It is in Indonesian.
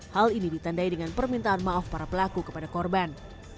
hal ini ditandai dengan permintaan maaf para pelaku kepada korban